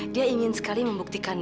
dia ingin sekali membuktikan